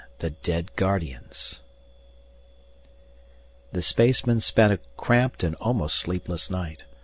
10 THE DEAD GUARDIANS The spacemen spent a cramped and almost sleepless night.